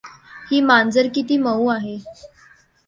ही मांजर किती मऊ आहे.